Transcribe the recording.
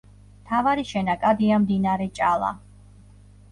მთავარი შენაკადია მდინარე ჭალა.